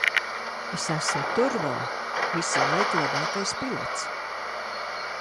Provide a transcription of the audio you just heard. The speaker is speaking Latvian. Es esmu Turbo, visu laiku labākais pilots!